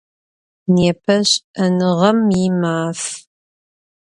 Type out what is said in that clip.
Nêpe Ş'enığem yi Maf.